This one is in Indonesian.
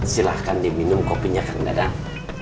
silahkan diminum kopinya kang dadang